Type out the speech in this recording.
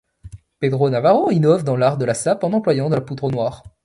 Pedro Navarro innove dans l'art de la sape en employant la poudre noire.